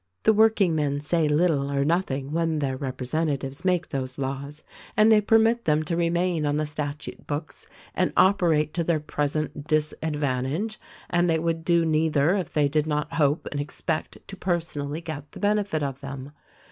The workingmen say little or nothing when their rep resentatives make those laws, and they permit them to remain on the statute books and operate to their present disadvan tage — and they would do neither if they did not hope and expect to personally get the benefit of them.